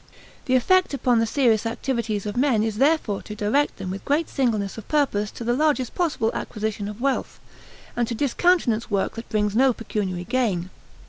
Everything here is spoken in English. The effect upon the serious activities of men is therefore to direct them with great singleness of purpose to the largest possible acquisition of wealth, and to discountenance work that brings no pecuniary gain.